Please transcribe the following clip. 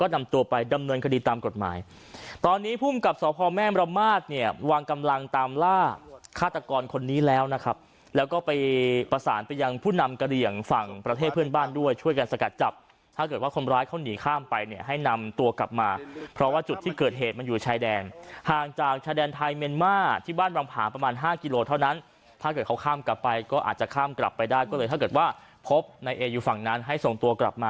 นำกระเหลี่ยงฝั่งประเทศเพื่อนบ้านด้วยช่วยกันสกัดจับถ้าเกิดว่าคนร้ายเขาหนีข้ามไปเนี่ยให้นำตัวกลับมาเพราะว่าจุดที่เกิดเหตุมันอยู่ชายแดนห่างจากชายแดนไทยเมนมาที่บ้านบำผาประมาณห้ากิโลเท่านั้นถ้าเกิดเขาข้ามกลับไปก็อาจจะข้ามกลับไปได้ก็เลยถ้าเกิดว่าพบนายเออยู่ฝั่งนั้นให้ส่งต